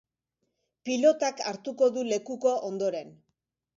Pilotak hartuko dut lekuko ondoren.